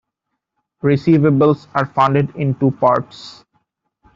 Receivables are funded in two parts.